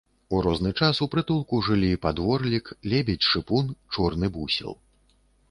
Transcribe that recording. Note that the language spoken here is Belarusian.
У розны час у прытулку жылі падворлік, лебедзь-шыпун, чорны бусел.